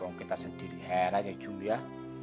orang kita sendiri heran ya julia